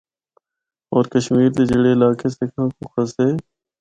ہور کشمیر دے جڑے علاقے سکھاں کو کھسّے۔